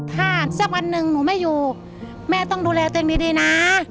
ถ้าสักวันหนึ่งหนูไม่อยู่แม่ต้องดูแลตัวเองดีนะ